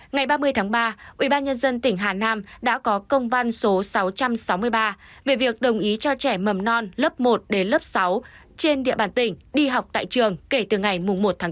ngày ba mươi tháng ba ubnd tỉnh hà nam đã có công văn số sáu trăm sáu mươi ba về việc đồng ý cho trẻ mầm non lớp một đến lớp sáu trên địa bàn tỉnh đi học tại trường kể từ ngày một tháng tám